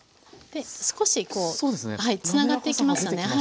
少しこうつながってきましたね。